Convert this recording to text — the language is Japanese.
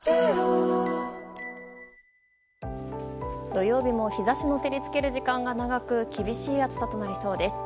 土曜日も日差しの照りつける時間が長く厳しい暑さとなりそうです。